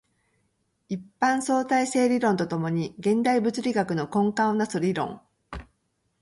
一般相対性理論と共に現代物理学の根幹を成す理論